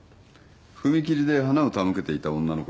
踏切で花を手向けていた女の子いたでしょ。